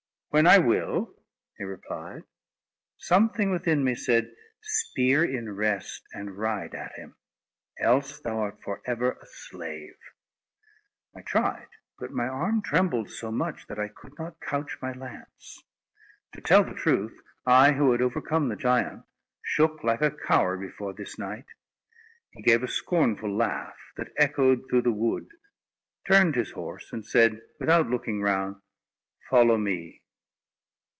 "When I will," he replied. Something within me said: "Spear in rest, and ride at him! else thou art for ever a slave." I tried, but my arm trembled so much, that I could not couch my lance. To tell the truth, I, who had overcome the giant, shook like a coward before this knight. He gave a scornful laugh, that echoed through the wood, turned his horse, and said, without looking round, "Follow me."